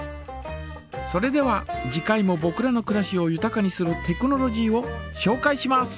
それでは次回もぼくらのくらしをゆたかにするテクノロジーをしょうかいします。